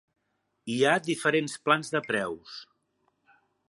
Hi ha diferents plans de preus.